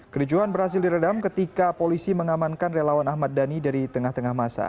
kericuhan berhasil diredam ketika polisi mengamankan relawan ahmad dhani dari tengah tengah masa